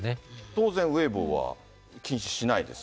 当然ウェイボーは禁止しないです。